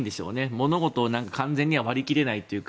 物事を完全には割り切れないというか。